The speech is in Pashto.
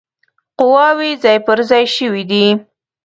قواوي ځای پر ځای شوي دي.